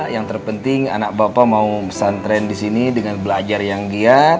yang terpenting anak bapak mau pesantren di sini dengan belajar yang giat